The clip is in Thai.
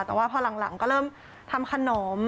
แต่ว่าพอหลังก็เริ่มทำขนม